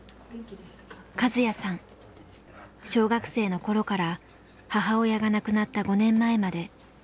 小学生の頃から母親が亡くなった５年前まで３０年